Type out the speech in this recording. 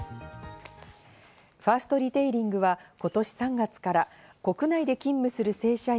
ファーストリテイリングは今年３月から国内で勤務する正社員